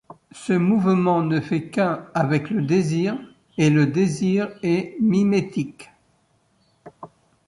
Ce mouvement ne fait qu'un avec le désir et le désir est mimétique.